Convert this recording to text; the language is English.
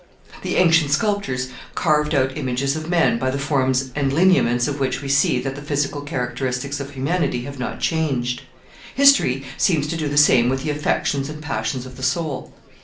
The ancient sculptors carved out images of men, by the forms and lineaments of which we see that the physical characteristics of humanity have not changed. History seems to do the same with the affections and passions of the soul.